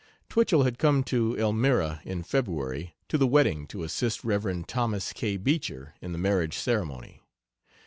Twichell had come to Elmira in February to the wedding to assist Rev. Thos. K. Beecher in the marriage ceremony.